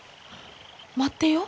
待ってよ。